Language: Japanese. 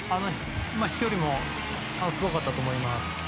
飛距離もすごかったと思います。